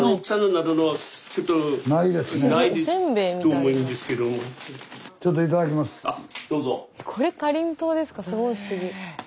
すごい不思議。